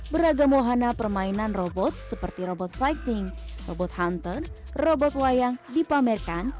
beragam wahana permainan robot seperti robot fighting robot huntern robot wayang dipamerkan